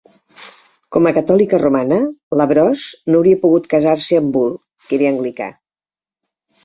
Com a catòlica romana, LaBrosse no hauria pogut casar-se amb Bull, que era anglicà.